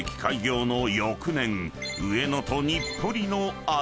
［上野と日暮里の間に］